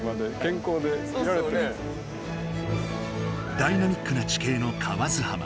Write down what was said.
ダイナミックな地形の河津浜。